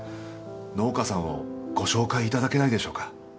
農家さんをご紹介いただけないでしょうか？